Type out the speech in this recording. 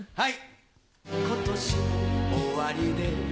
はい。